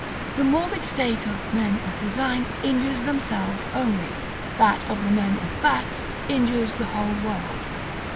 The morbid state of men of design injures themselves only; that of the men of facts injures the whole world.